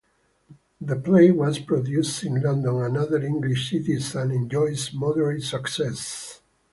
The play was produced in London and other English cities, and enjoyed moderate success.